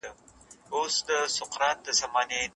پخوا خلک طبيعت ته لږ پام کاوه.